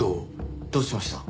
どうしました？